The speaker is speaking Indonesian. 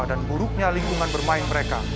dan buruknya lingkungan bermain mereka